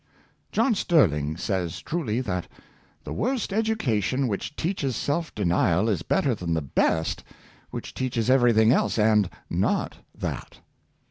John Sterling says truly, that "the worst education which teaches self denial, is better than the best which teaches everything else, and not that."